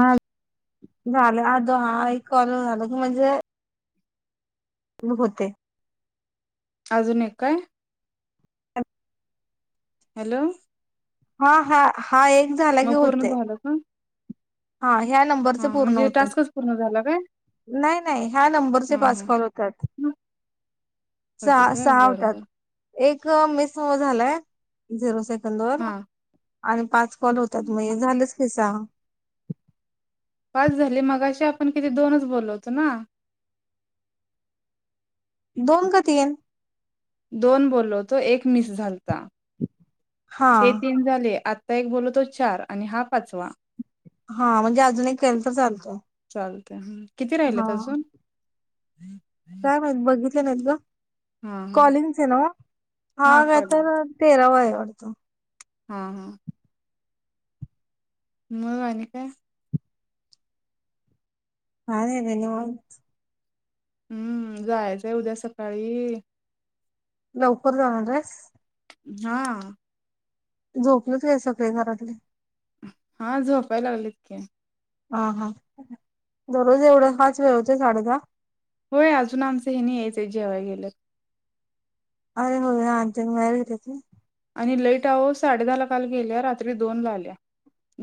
हा. झालं आधोा कॉलून झालं की म्हणजे होते. अजून एक काय? हॅलो. हा हा हा एक झाला की होते. ह. हा ह्या नंबरचे पूर्ण होते. टास्कच पूर्ण झाला काय नाही नाही ह्या नंबरचे हा पास हा कॉल होतात. होतच सहा होय बरं बरं सहावतात. एक मेस झालाय झिरो सेकंद वर हा आणि पाच कोण होतात आणि म्हणजे झालंच कसा? वाच झाली मग अशी आपण किती दोनच बोलवतो ना. दोन का तीन दोन बोललो तो एक मिस झालता हा ते तीन झाले एक बोलोतो चार आणि हा पाचवा हा म्हणजे अजून एक केल तर चालतं चालते किती राहिले अजून काय नाही बघितलं नाहीत ग हा कॉलिंगस आहे ना हा काय तर ते रवायवढतो. हा हा. मवा का? अ देन हम्म जायचंय उद्या सकाळी लवकर जाणारस हा. झोपलच आहे सगळे घरातले हा झोपायला लागले इतके हा हा दररोज एवढं पाच वेळ होत साडे दहा. होय अजून आमचं हे नाही यायचं आहे जेव्हा गेलेत. अरे होर घ आणि लईट आहो साडे दहा ला काल गेल्या रात्री दोन ला आल्या.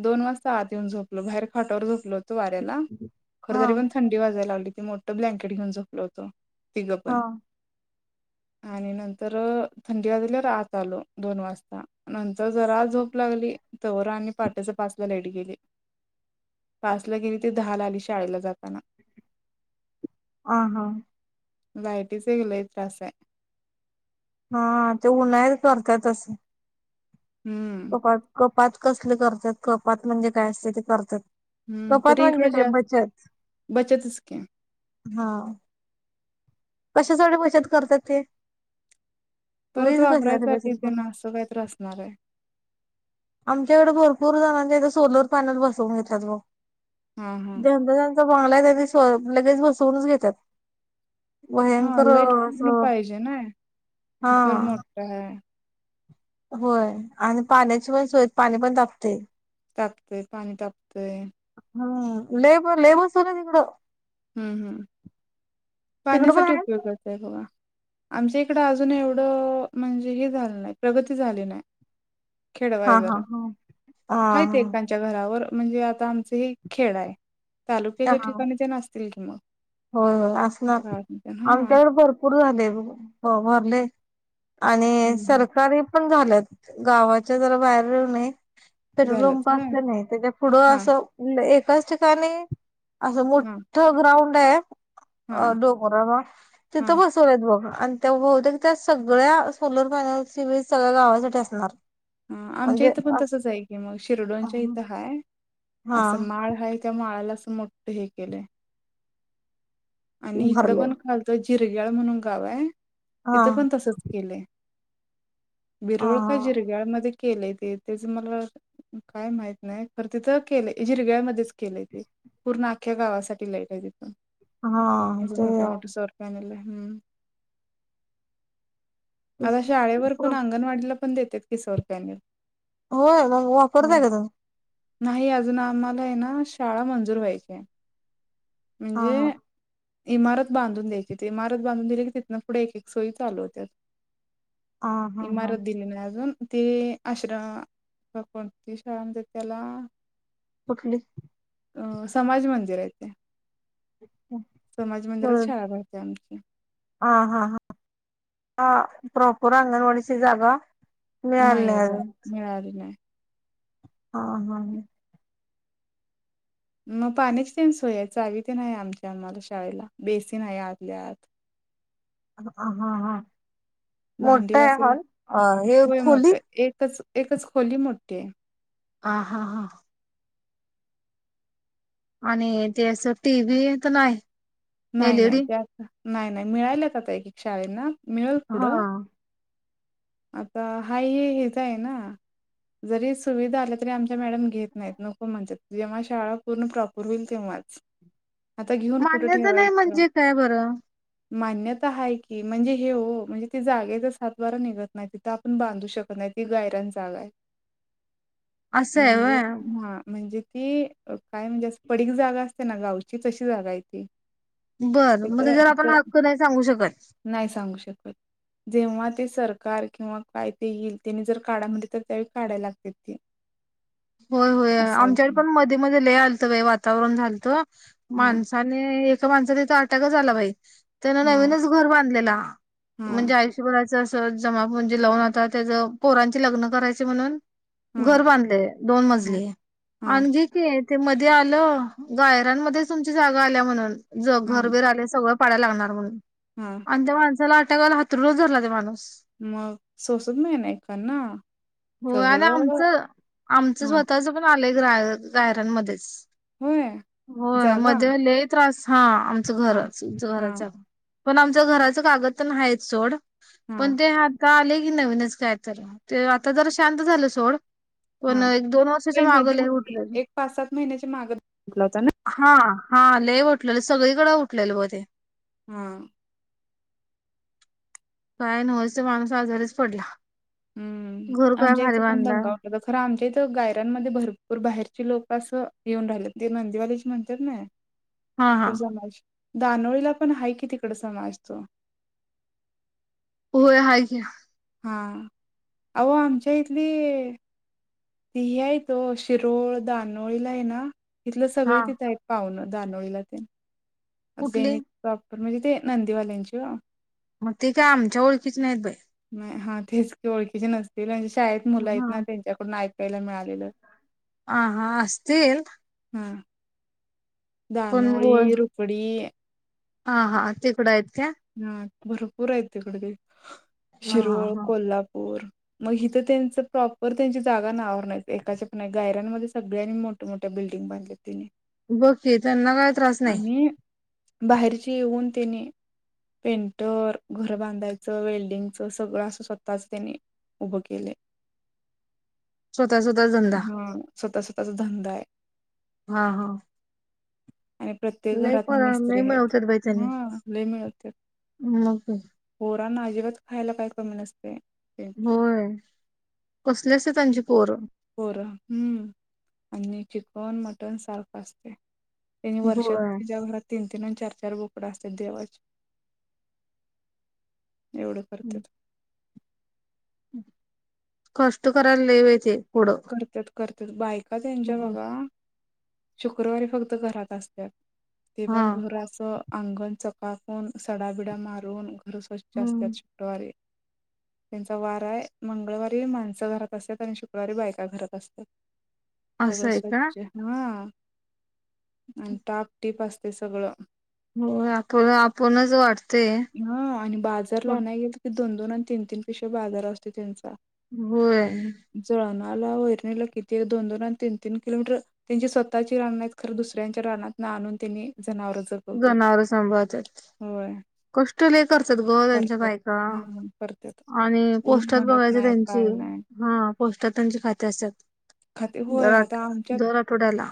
दोन वाजता आत येऊन झोपलो बाहेर खाटावर झोपलो होतो वाऱ्याला खर हा तरी पण थंडी वाजायला लागली ती मोठं ब्लँकेट घेऊन झोपलं होत तिघं हा पण आणि नंतर थंडीला झाल्या आत आलो दोन वाजता. नंतर जरा झोप लागली तर आम् पाटाच्या पाचला लाईट गेली. पास ला गेली ते दहा ला आली शाळेला जाताना ह हा. लायटीच वगलय तास आहे. हा ते उन्हाहीत करतात असं. हम्म. कपात कपात कसले करतात कपात म्हणजे काय असते ते करतात. हम्म कपात तरी म्हणजे इकडं काय जास्त बचत. बचतच की हा कशासाठीडे पैशत करतात ते परत वीज कशासाठी वापरायसाठी बचत ते करू ना असं काहीत्र असणार आहे. आमच्याकडे भरपूर जणांच्या इथे सोलर पॅनल बसवून घेतल्यात ब हा हा ंदा बंगला आहे त्यांनी लगेच बसवूनच घेतात. हा भयंकर लाईट पूर्ण असं हा. हा. होय आणि पाण्याची पण सोय पाणी पण तापते. तापतंय पाणी तापतंय. हम् लय लय बसवल्यात इकडं. हम्म हम्म तिकडं पण पाण्यासाठी आहे. उपयोगाचाय बघा. आमच्या इकडं अजून एवढं म्हणजे हे झालं नाही प्रगती झाली नाही. हा हा खेळवायर हा हा आयत आमच्या घरावर म्हणजे आता आमच हे खेड आहे हा तालुक्याच्या हा, ठिकाणी ज आसतील कि मग होय होय असणार गावात हा आमच्याकडे भरपूर झाले भरले. आणि हम्म हम्म. सरकारी पण झालेत गावाच्या जरा बाहेर येऊ नय पेट्रोल झालंच पंप ना असत नाही त्याच्या पुढं हा असं एकाच ठिकाणी असं मोठ हा तथ ग्राउंड आहे हा डोंगराला तिथ हा बस सरत बघ आणि त्या बहुतेक त्या सगळ्या सोलर पॅनल स व सगळ्या गावासाठी असणार. ह आमच्या म्हणजे इथं पण अस तसच आहे की मग हा शिरडोनच्या इथं हा असं माळ ह त्या माळाला अस मोठं हे केलंय. आणि इकडं भरले पण खालतो जिरग्याळ म्हणून गाव आहे हा तिथं पण तसच केलंय. हा बिरवळ का जिरगाळमध्येध्ये केलंय ते त्याच मला काय माहित नाही खर तिथं केलेय झिरग्यामध्येध्येच केलेय ते. पूर्ण आख्ख्या गावासाठी लईट आहे तिथून हा. असे ते मोठ मोठे सरपानलं हम्म. आता शाळेवर पण अंगणवाडीला पण देतेत किसवरुपयाने [unintelligible] हो वापरतय का ते? नाही अजून आम्हाला आहे ना शाळा मंजूर व्हायची आहे. हा म्हणजे हा इमारत बांधून द्यायची इमारत बांधून दिली की तिथनं पुढे एक एक सोई चालू होत्यात. हा हा हा इमारत दिली नाही अजून ते आश्रम कोणती शाळा म्हणजे त्याला कुठली? अ समाज मंदिरा आहेच ह. समाज मंदिरात शाळा भरते आमची. हा हा हा प्रॉपर अंगणवाडीची जागा मिळाली नाही अजून मिळाली नाही. हा हा. मग पाण्याची तेन सोय आहे चावी तेन आहे आमच्या आम्हाला शाळेला बेसीन आहे आतल्या आत. हा ह भांडी मोठा आहे घासायला हॉल अ हे होय खोली मोठ एकच एकच खोली मोठी आहे. ह हा हा. आणि ते असं टी व्ही तर नाही नाही नाही एलईडी त्या नाही नाही मिळाल्याच आता एक एक शाळेना मिळेल हा पुढं. आता हाय हेच आहे ना. जरी सुविधा आल्या तरी आमच्या मॅडम घेत नाहीत नको म्हणच्यात जेव्हा शाळा पूर्ण प्रॉपर होईल तेव्हाच. आता घेऊन कुठं मान्यता नाही ठेवायचं म्हणजे काय बरं मान्यता आहे की म्हणजे हे हो म्हणजे ते जागेच सात बारा निघत नाही तिथं आपण बांधू शकत नाही ती गायरान जागा आहे. असं आहे म्हणजे व्हय हा म्हणजे कि काय म्हणजे अस पडीक जागा असते ना गावचीच अशी जागा आहे. ती बरं मग तिथं ते जर आपण तिथं हक्क नाही सांगू शकत. नाही सांगू शकत जेव्हा ते सर. कार किंवा काय ते येईल त्याने जर काढा म्हणली तर त्यावेळी काढाला लागते ते. होय होय असं आहे आमच्याकडे ते पण मध्ये मध्ये लले आलत वातावरण झालतं हा माणस. आणि एका माणसा तिथ अटॅकच झाला पाहि. त्यानं हम्म नवीनच घर बांधलेलं म्हणजे हम्म आयुष्य. करायच अस जमा म्हणजे लावून आता त्याच पोरांचे लग्न करायचे म्हणून. घर हम्म बांधले दोन हम्म मजली हम्म आणखी. ते मध्ये आलं गायरांमध्ये तुमच्या जागा आल्या म्हणून ज घरबर आल्या सगळं. पाडय लाणार म्हणून. हा. आणि त्या माणसाला अटाकायला हातरच झारला ते माणूस. मग सोसत नाही नाही काना होय आणि सगळं. आमचं आमचं हा स्वतःच पण आलंय गाय गायरांमध्येच. होय होय जागा मध्ये ल त्रास हा आमचं घर हा तुमच हा घराच्या. पण आमच घराच कागद तर नाही सोड हा पण ते ह आले की नवीनच काय तर ते आता जर शांत झालं सोड. पण हा एक दोन वर्षाच्या म माग मधी लय उठलेलं एक पाच सात महिन्याची माग घेतला होता ना. हा हा लले उठलेलं सगळीकडे उठलेलं म ते हम. काय नव ते माणूस आजारीच पडला. हम्म घर काय आमच्या भारी इथं पण बांधला दंगा हो. खरं आमच्या इथं गायर्यांमध्ये भरपूर बाहेरचे लोक असं येऊन राहिले ते नंदीवालीची म्हणतात नाही. हा हा तो समाज दानोळीला पण आहे कि तिकड समाज तो. होय आहो घ्या. हां अहो आमच्या इथली. ती ह आहे त शिरोळ दानोळीला आहे ना तिथलं सगळी हा तिथं. पाहण दानोळीला ते. आता कुठली त्यांनी प्रॉपर म्हणजे ते नंदीवाल्यांची वा. मग ते काय आमच्या ओळखीच नाहीत बाई. हा तेच क ओळखीचे नसतील म्हणजे शाळेत मुलं आहेत ना त्यांच्याकडून ऐकायला मिळालेलं. ह हां असतील. हम. पण धानोळी होय. रोपडी. हा हा ते कड यत का. हा भरपूर आहेत तिकड हा हा शिरोळ हा कोल्हापूर. मग हिथ त्यांच प्रॉपर त्यांची जागा नाव नाही एकाच्या पण नाही गाऱ्यांमध्ये सगळ्यांनी मोठ मोठ्या बिल्डिंग बांधलेत. तने. बके त्यांना काय त्रास नाही बाहेरचे येऊन त्यांने पेंटर घर बांधायचं वेल्डिंगच सगळं असं स्वतःच त्यानी. उभ केले. [inaudible] स्वतः स्वतः धंदा हा. स्वतः स्वतःचा धंदा आहे हा हा. आणि प्रत्येक नाही घरातन पण नाही मिस्त्री आहेत. मिळवतात बाई त्यानी हा मग. पोरा ना अजिबात खायला काय कमी न असते. होय कसले असते त्यांची पोर. पोरम हम्म आणि चिकन मटण सारखं असते. त्यांनी वर्षात होय त्यांच्या घरात तीन तीन आणि चार चार बुकडं असतात देवाचे. एवढं करते. कष्टकरा लवैते इपड. करतात करत बायका त्यांच्या बघा शुक्रवारी फक्त घरात असतात. ते हा पण घराच अंगण चकाकून सडाबिडा मारून घर स्वच्छ. जास्त. हम्म शुक्रवारी त्यांचा वारा आहे मंगळवारी माणसं घरात असत आणि शुक्रवारी बायक. का घरात असत असं सगळं आहे का स्वच्छ हा आणि टाप टीप असते सगळं हो आपण आपणच वाटतेय हा आणि बाजारला नाही गेल की दोन दोन आणि तीन तीन पेक्षा बाजार असतेो त्यांचा होय जळणाला वैरणीलं किती दोन दोन आणि तीन तीन किलोमीटर त्यांची स्वतःची राना खरं दुसऱ्यांच्या रानात ना आणून त्यांनी जनावर जप जाणार संभवत कष्ट ले करतात ग त्यांच्या करत्यात बायका हम्म करत्यात आणि ऊन पोस्टर म्हणत बघायच नाही त्यांची काय नाही हा पौष्टातांचे खाते असतात खाते होय दर आता दर आठवड्याला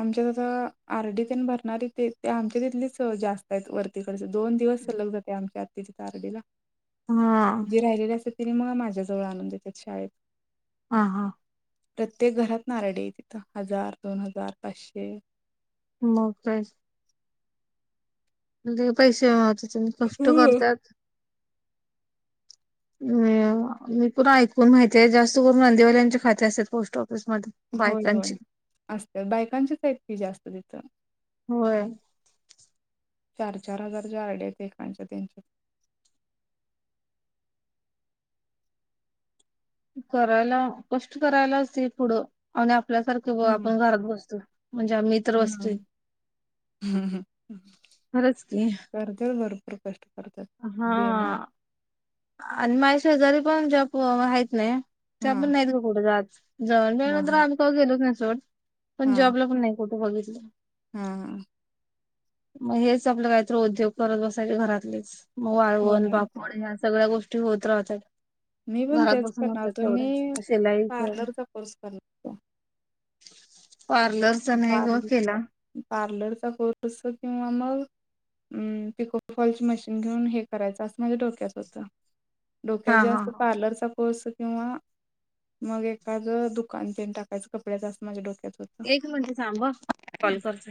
आमच्या आ आरडी भरणारी तेे ते आमच्या तिथलीच जास्त आहेत वर्क दोन दिवस सलग जाते आमच्या आ तिच्या तारडीला हा जे राहिलेले असते तिने मग माझ्याजवळ आणून देतेेत शाळेत हा हा प्रत्येक घरात नाराडी तिथं हजार दोन हजार पाचशे म का म्हण पैसे मते कष्ट हम्म. करतात ह मी पुन्हा ऐकून माहितीय जास्त करून नंदेवाल्या यांच्या खाते असतात पोस्ट ऑफिसमध्येध्ये होय होय असते बायकांचीच आहेत की जास्त तिथं होय चार चार हजारच्या आयडिया एणच्या त्यांच्या करायला कष्ट करायलाचते पुढं आणि आपल्यासारखं कि बा हम्म आपण घरात बसतो म्हणजे आम्ही इतर बसतो हम् हम हम् खरंच की गरज भरपूर कष्ट करत्यात हा बेमार आणि माझ्या शेजारी पण ज्या आहेतत नाही त्या पण हां, नाहीत का कुठं जाात जऊण हां, पेलं तर हां, आम्ही गेलोच नाही सोट पण जॉबला पण नाही कुठे बघितलं हा हा मग हेच आपलं काहीत उद्योग करत बसायचे घरातलेच वाळवण होय. पापड ह्या सगळ्या गोष्टी होत राहत मी पण घरात तेच बसून करणार होतात होतो. तेवढ्या मी असेलाई पार्लरचा कोर्स करणार होतो. पार्लर पार्लर पार्लरचा कोर्स किंवा मग म पिकोफॉल मशीन घेऊन हे करायचं असं माझ्या डोक्याच होतं डोक्यात हा हा जास्त हा पार्लरचा पोर्स किंवा मग एखादं दुकानत टाकायचं कपड्याच असं माझ्या डोक्यात होत म्हणजे सांब कॉलसचं